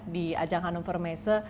di ajang hanover mesa